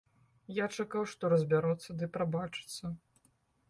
Я чакаў, што разбяруцца ды прабачацца.